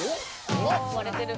割れてる。